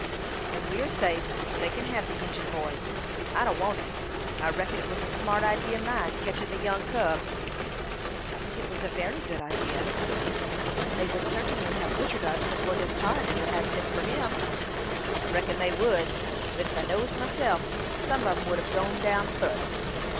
"When we are safe, they kin hev the Injin boy; I don't want him. I reckon it was a smart idee o' mine, ketchin' the young cub." "I think it was a very good idea. They would certainly have butchered us before this time if it hadn't been for him." "I reckon they would; but ef I knows myself, some on 'em would hev gone down fust."